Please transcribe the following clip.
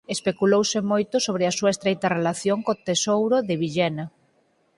Especulouse moito sobre a súa estreita relación co Tesouro de Villena.